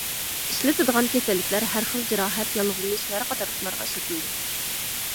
ئىشلىتىلىدىغان كېسەللىكلەر ھەر خىل جاراھەت، ياللۇغلىنىش، يارا قاتارلىقلارغا ئىشلىتىلىدۇ.